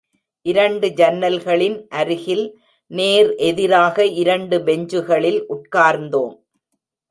இரண்டு ஜன்னல்களின் அருகில் நேர் எதிராக இரண்டு பெஞ்சுகளில் உட்கார்ந்தோம்.